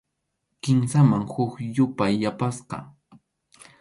Kimsaman huk yupay yapasqa.